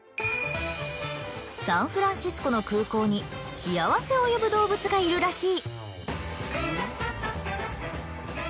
サンフランシスコの空港に幸せを呼ぶ動物がいるらしい。